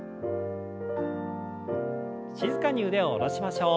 静かに腕を下ろしましょう。